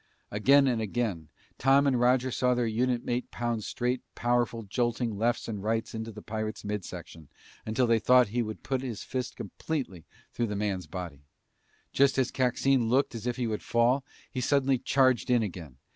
Again and again, Tom and Roger saw their unit mate pound straight, powerful, jolting lefts and rights into the pirate's mid section until they thought he would put his fist completely through the man's body. Just as Coxine looked as if he would fall, he suddenly charged in again.